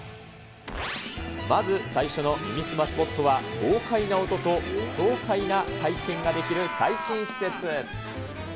まず最初の耳すまスポットは、豪快な音と爽快な体験ができる最新施設。